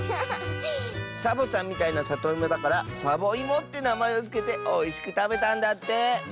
サボさんみたいなさといもだから「サボいも」ってなまえをつけておいしくたべたんだって。